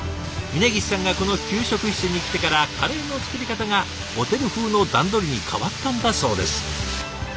峯岸さんがこの給食室に来てからカレーの作り方がホテル風の段取りに変わったんだそうです。